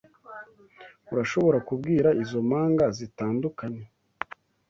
Urashobora kubwira izo mpanga zitandukanye?